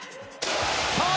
さあ